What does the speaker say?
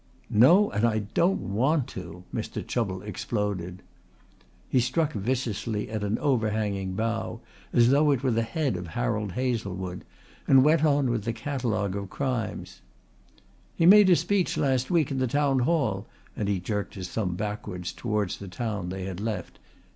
"No, and I don't want to," Mr. Chubble exploded. He struck viciously at an overhanging bough, as though it was the head of Harold Hazlewood, and went on with the catalogue of crimes. "He made a speech last week in the town hall," and he jerked his thumb backwards towards the town they had left.